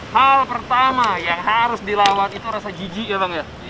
hal pertama yang harus dilawat itu rasa jijik ya bang ya